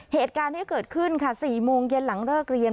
เหตุการณ์ที่เกิดขึ้นค่ะ๔โมงเย็นหลังเลิกเรียน